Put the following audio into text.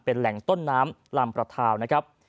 เป็นแหล่งต้นน้ำลำประทาวนะครับ